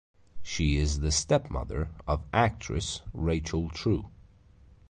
She is the stepmother of actress Rachel True.